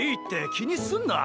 気にすんな。